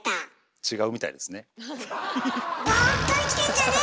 違うみたいですね。